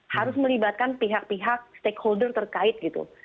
harus melibatkan pihak pihak stakeholder terkait gitu